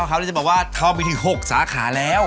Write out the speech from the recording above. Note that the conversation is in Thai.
เค้าเลยจะบอกว่าเค้ามีที่๖สาขาแล้ว